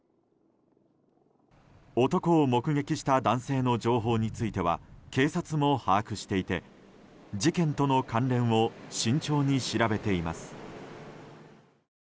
男を目撃した男性の情報については警察も把握していて事件との関連を慎重に調べています。